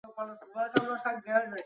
বাবা কি কিছু বলেছে তোমাকে?